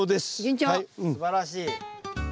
すばらしい。